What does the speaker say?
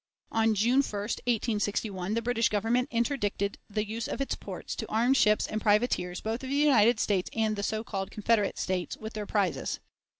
On June 1, 1861, the British Government interdicted the use of its ports to "armed ships and privateers, both of the United States and the so called Confederate States," with their prizes.